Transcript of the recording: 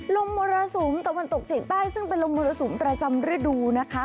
มรสุมตะวันตกเฉียงใต้ซึ่งเป็นลมมรสุมประจำฤดูนะคะ